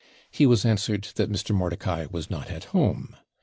He was answered, that Mr. Mordicai was not at home.